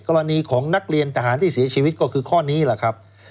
กรณีของนักเรียนทหารที่เสียชีวิตก็คือข้อนี้แหละครับ